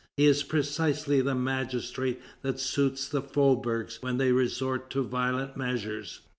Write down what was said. He is precisely the magistrate that suits the faubourgs when they resort to violent measures.